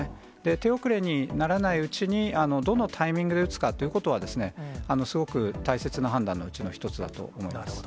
手遅れにならないうちに、どのタイミングで打つかということは、すごく大切な判断のうちの一つだと思います。